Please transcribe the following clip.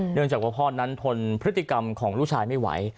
เนื่องจากว่าพ่อนั้นทนพฤติกรรมของลูกชายไม่ไหว